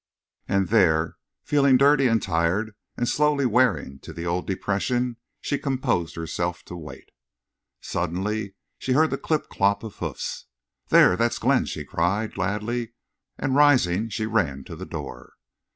And there, feeling dirty and tired, and slowly wearing to the old depression, she composed herself to wait. Suddenly she heard the clip clop of hoofs. "There! that's Glenn," she cried, gladly, and rising, she ran to the door.